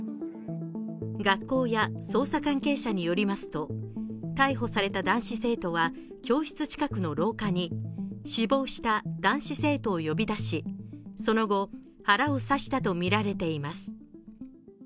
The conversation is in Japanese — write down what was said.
学校や捜査関係者によりますと、逮捕された男子生徒は教室近くの廊下に死亡した男子生徒を呼び出しその後、腹を刺したとみられています。